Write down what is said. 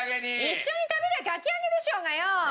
一緒に食べりゃかき揚げでしょうがよ！